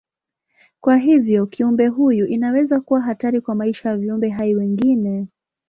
Kwa hivyo kiumbe huyu inaweza kuwa hatari kwa maisha ya viumbe hai wengine.